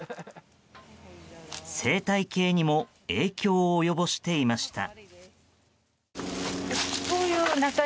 生態系にも影響を及ぼしていました。